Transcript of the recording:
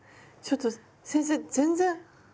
ちょっと先生全然。